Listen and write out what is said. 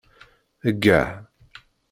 Eggeh